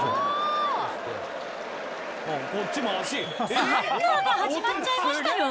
サッカーが始まっちゃいましたよ。